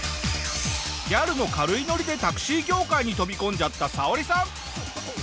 ギャルの軽いノリでタクシー業界に飛び込んじゃったサオリさん。